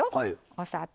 お砂糖。